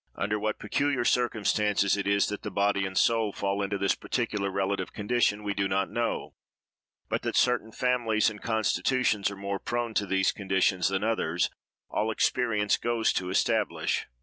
Under what peculiar circumstances it is that the body and soul fall into this particular relative condition, we do not know, but that certain families and constitutions are more prone to these conditions than others, all experience goes to establish.